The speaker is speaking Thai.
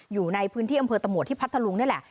อยู่ในพื้นที่อำเภอตะหวดที่พัทธลุงนี่แหละ